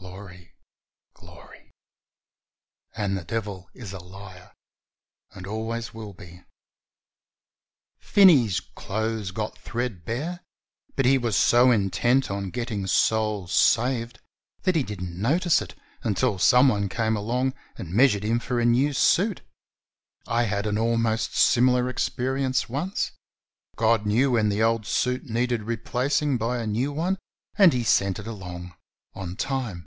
Glory! Glory! And the devil is a liar and always will be. Finney's clothes got threadbare, but he was so intent on getting souls saved that he didn't notice it until someone came along and measured him for a new suit. I had an almost similar experience once. God knew when the old suit needed replacing by a new one, and He sent it along on time.